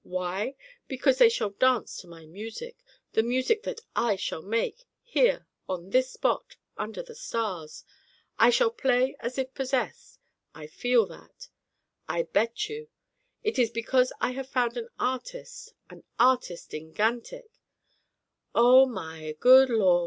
Why? Because they shall dance to my music, the music that I shall make, here, on this spot, under the stars. I shall play as if possessed I feel that. I bet you. It is because I have found an artist an artist in Gantick! O my good Lor!"